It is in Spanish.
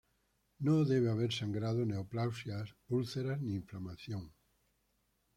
No debe haber sangrado, neoplasias, úlceras ni inflamación.